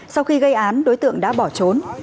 sau khi gây án đối tượng đã bỏ trốn